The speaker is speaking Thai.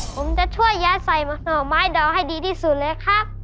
ผมจะช่วยย้ายใส่หน่อไม้ดอให้ดีที่สุดเลยครับ